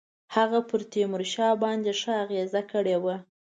هغه پر تیمورشاه باندي ښه اغېزه کړې وه.